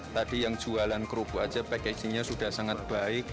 tadi yang jualan kerubu saja packaging nya sudah sangat baik